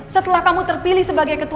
setelah kamu terpilih sebagai ketua